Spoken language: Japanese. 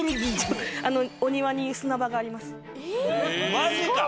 マジか！？